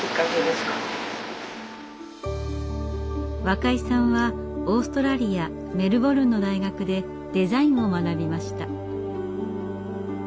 若井さんはオーストラリア・メルボルンの大学でデザインを学びました。